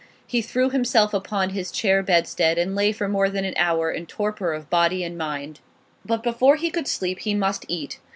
He threw himself upon his chair bedstead, and lay for more than an hour in torpor of body and mind. But before he could sleep he must eat.